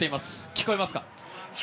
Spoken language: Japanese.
聞こえますか？